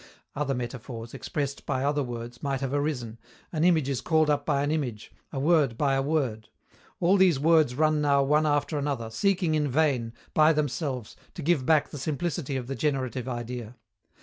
Other metaphors, expressed by other words, might have arisen; an image is called up by an image, a word by a word. All these words run now one after another, seeking in vain, by themselves, to give back the simplicity of the generative idea.